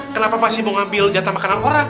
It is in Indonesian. kenapa pasti mau ngambil jatah makanan orang